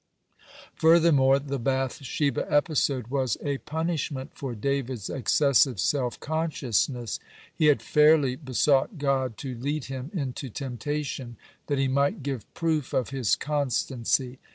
(93) Furthermore, the Bath sheba episode was a punishment for David's excessive self consciousness. He had fairly besought God to lead him into temptation, that he might give proof of his constancy.